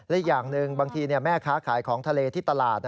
และอีกอย่างหนึ่งบางทีแม่ค้าขายของทะเลที่ตลาด